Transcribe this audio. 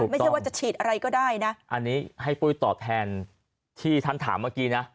ไม่ใช่ว่าจะฉีดอะไรก็ได้นะอันนี้ให้ปุ้ยตอบแทนที่ท่านถามเมื่อกี้นะ